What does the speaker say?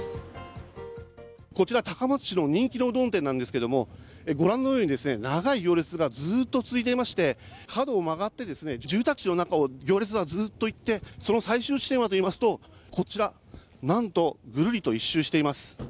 こちら、高松市の人気のうどん店なんですけども、ご覧のように、長い行列がずっと続いていまして角を曲がって住宅地の中を行列がずっといってその最終地点はといいますと、こちら、なんとぐるりと１周しています。